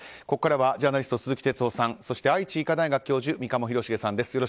ここからはジャーナリストの鈴木哲夫さんそして愛知医科大学教授三鴨廣繁さんです。